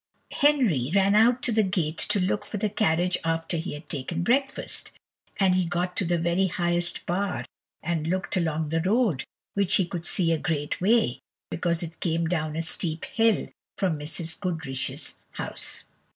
Henry ran out to the gate to look for the carriage after he had taken breakfast, and he got to the very highest bar, and looked along the road, which he could see a great way, because it came down a steep hill from Mrs. Goodriche's house.